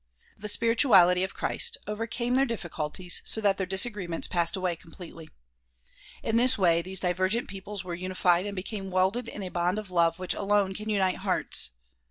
The spirituality of Christ overcame their difficulties so that their disagreements passed away completely. In this way these divergent peoples were unified and became welded in a bond of love which alone can unite hearts.